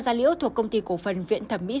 gia liễu thuộc công ty cổ phần viện thẩm mỹ